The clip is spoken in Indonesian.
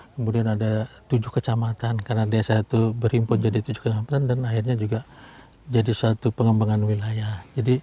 kemudian ada tujuh kecamatan karena desa itu berhimpun jadi tujuh kecamatan dan akhirnya juga jadi suatu pengembangan wilayah